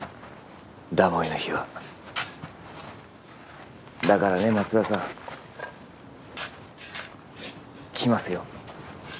ダモイの日はだからね松田さん来ますよ